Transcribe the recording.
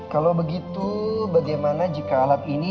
kalau begitu bagaimana jika alat ini